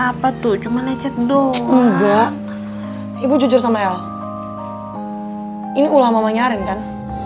apa tuh cuma lecet doang enggak ibu jujur sama el ini ulamamu nyarin kan